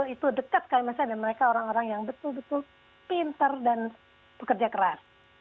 itu dekat sekali misalnya dan mereka orang orang yang betul betul pinter dan pekerja keras